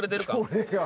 俺が？